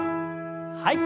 はい。